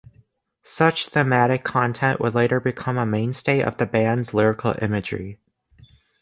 Such thematic content would later become a mainstay of the band's lyrical imagery.